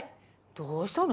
どうしたの？